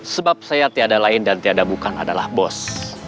sebab saya tiada lain dan tiada bukan adalah bos